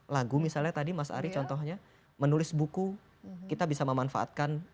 lagu misalnya tadi mas ari contohnya menulis buku kita bisa memanfaatkan